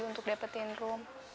untuk dapatkan ini